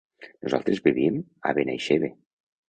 Nosaltres vivim a Benaixeve.